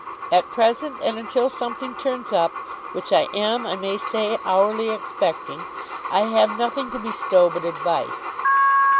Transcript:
At present, and until something turns up (which I am, I may say, hourly expecting), I have nothing to bestow but advice.